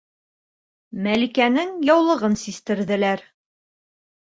Мәликәнең яулығын систерҙеләр.